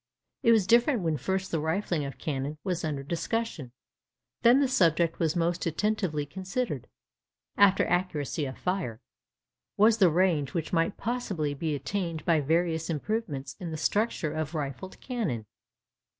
It was different when first the rifling of cannon was under discussion. Then the subject which was most attentively considered (after accuracy of fire) was the range which might possibly be attained by various improvements in the structure of rifled cannon.